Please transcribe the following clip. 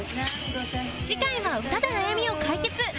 次回は歌で悩みを解決